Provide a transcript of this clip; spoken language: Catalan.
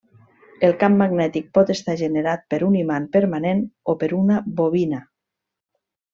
El camp magnètic pot estar generat per un imant permanent o per una bobina.